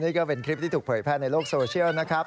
นี่ก็เป็นคลิปที่ถูกเผยแพร่ในโลกโซเชียลนะครับ